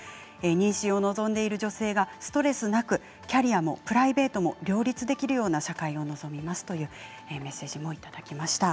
妊娠を望んでいる女性がストレスなくキャリアもプライベートも両立できるような社会を望みますというメッセージもいただきました。